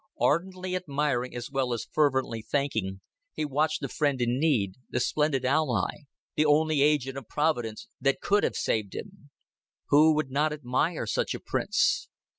Ardently admiring as well as fervently thanking, he watched the friend in need, the splendid ally, the only agent of Providence that could have saved him. Who would not admire such a prince?